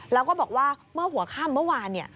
แล้วก็บอกว่าเมื่อหัวค่ำเมื่อวาน